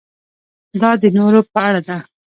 دا د نورو په اړه ده.